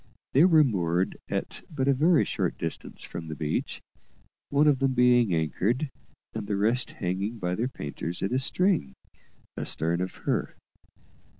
They were moored at but a very short distance from the beach, one of them being anchored, and the rest hanging by their painters in a string, astern of her.